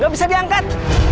gak bisa diangkat